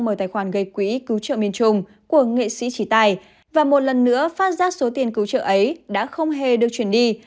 mở tài khoản gây quỹ cứu trợ miền trung của nghệ sĩ chỉ tài và một lần nữa phát giác số tiền cứu trợ ấy đã không hề được chuyển đi